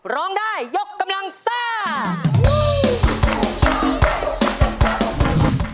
ร้องได้ยกกำลังซ่า